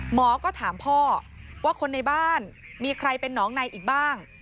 หมอก็ถามพ่อว่าคนในบ้านมีใครเป็นน้องในอีกบ้าง